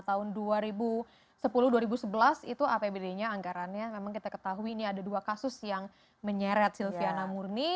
tahun dua ribu sepuluh dua ribu sebelas itu apbd nya anggarannya memang kita ketahui ini ada dua kasus yang menyeret silviana murni